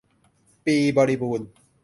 ปีบริบูรณ์